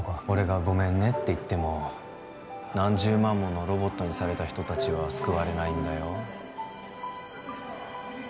俺がごめんねって言っても何十万ものロボットにされた人達は救われないんだよ